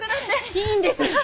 いいんです